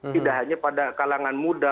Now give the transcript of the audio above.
tidak hanya pada kalangan muda